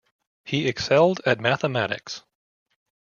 He excelled at mathematics.